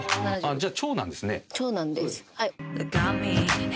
じゃあ。